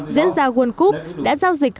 diễn ra world cup đã giao dịch